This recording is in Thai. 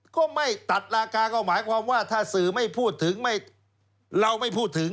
ก็ไม่ตัดราคาก็หมายความว่าถ้าสื่อไม่พูดถึงเราไม่พูดถึง